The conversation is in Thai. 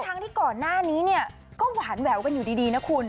ทั้งที่ก่อนหน้านี้เนี่ยก็หวานแหววกันอยู่ดีนะคุณ